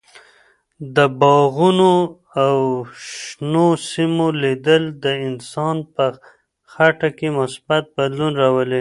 د باغونو او شنو سیمو لیدل د انسان په خټه کې مثبت بدلون راولي.